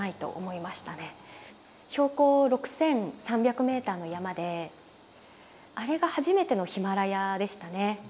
標高６３００ｍの山であれが初めてのヒマラヤでしたね。